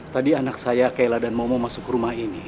tadi anak saya kayla dan momo masuk rumah ini